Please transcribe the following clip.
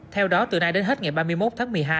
theo đó từ nay đến hết ngày ba mươi một tháng một mươi hai